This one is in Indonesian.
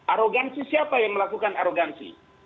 arogansi siapa yang melakukan arogansi